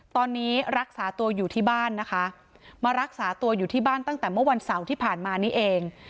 ตอนนี้รักษาตัวอยู่ที่บ้านนะคะมารักษาตัวอยู่ที่บ้านตั้งแต่เมื่อวันเสาร์ที่ผ่านมานี้เอง